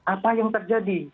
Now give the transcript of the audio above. apa yang terjadi